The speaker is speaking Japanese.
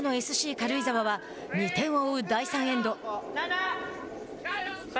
軽井沢は２点を追う第３エンド。